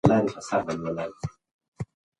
دا سفر زما لپاره د یوې نوې تجربې پیل و.